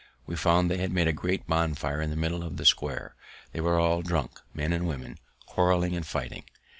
We found they had made a great bonfire in the middle of the square; they were all drunk, men and women, quarreling and fighting.